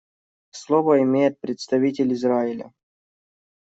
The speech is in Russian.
Слово имеет представитель Израиля.